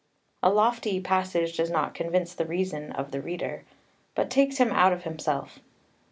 4 A lofty passage does not convince the reason of the reader, but takes him out of himself.